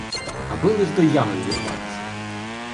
Аби лиш до ями ввірвався!